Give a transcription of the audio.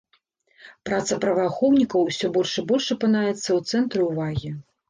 Праца праваахоўнікаў усё больш і больш апынаецца ў цэнтры ўвагі.